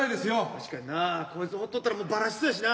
確かにな。こいつほっとったらもうばらしそうやしな。